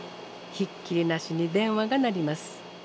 ひっきりなしに電話が鳴ります。